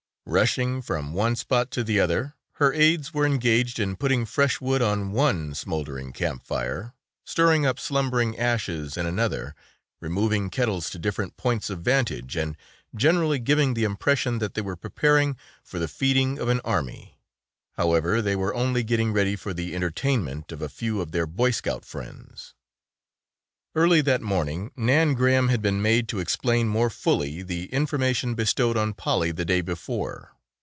Rushing from one spot to the other her aides were engaged in putting fresh wood on one smoldering camp fire, stirring up slumbering ashes in another, removing kettles to different points of vantage and generally giving the impression that they were preparing for the feeding of an army. However, they were only getting ready for the entertainment of a few of their Boy Scout friends. Early that morning Nan Graham had been made to explain more fully the information bestowed on Polly the day before.